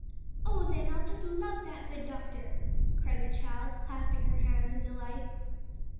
"Oh, then, I'll just love that good doctor!" cried the child, clasping her hands in delight.